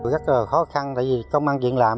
rất là khó khăn tại vì công an việc làm